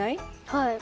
はい。